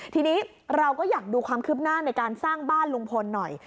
ทีนี้เราก็อยากดูความคืบหน้าในการสร้างบ้านลุงพลหน่อย